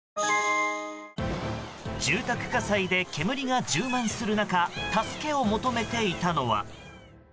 住宅火災で煙が充満する中助けを求めていたのは。